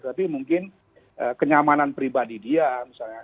tapi mungkin kenyamanan pribadi dia misalnya